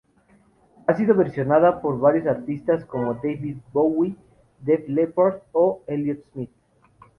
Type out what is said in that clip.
Ha sido versionada por diversos artistas, como David Bowie, Def Leppard o Elliott Smith.